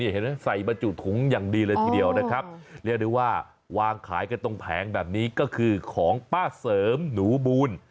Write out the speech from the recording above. เห็นไหมใส่บรรจุถุงอย่างดีเลยทีเดียวนะครับเรียกได้ว่าวางขายกันตรงแผงแบบนี้ก็คือของป้าเสริมหนูบูล